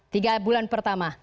tiga bulan pertama